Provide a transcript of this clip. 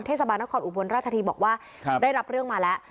เทศบาลนครอุบลราชทีบอกว่าได้รับเรื่องมาแล้ว